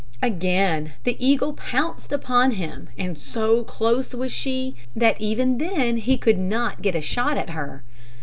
Again the eagle pounced upon him; and so close was she, that even then he could not get a shot at her.